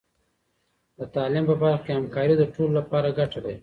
د تعلیم په برخه کې همکاري د ټولو لپاره ګټه لري.